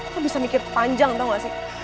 lo bisa mikir panjang tau nggak sih